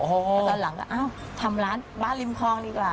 พอตอนหลังก็อ้าวทำร้านบ้านริมคลองดีกว่า